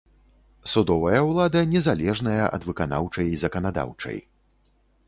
Судовая ўлада незалежная ад выканаўчай і заканадаўчай.